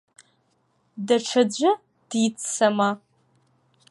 Даҽаӡәы диццама?